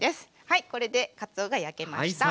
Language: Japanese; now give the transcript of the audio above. はいこれでかつおが焼けました。